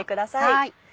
はい。